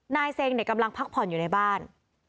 นายเซงเด็กกำลังพักผ่อนอยู่ในบ้าน